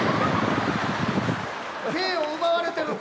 芸を奪われてる。